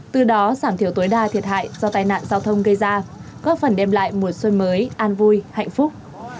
từ đó giảm thiểu tối đa thiệt hại do tai nạn giao thông gây ra góp phần đem lại mùa xuân mới an vui hạnh phúc